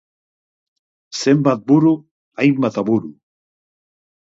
Zenbat buru, hainbat aburu.